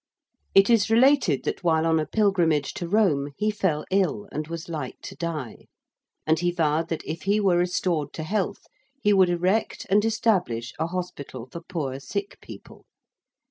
It is related that while on a pilgrimage to Rome he fell ill and was like to die. And he vowed that if he were restored to health he would erect and establish a hospital for poor sick people.